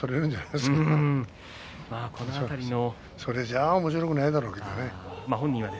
でもそれじゃ、おもしろくないだろうけれどもね。